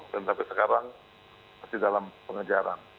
dan sampai sekarang masih dalam pengejalan